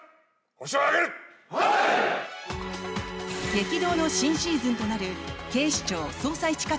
激動の新シーズンとなる「警視庁・捜査一課